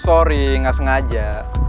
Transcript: sorry nggak sengaja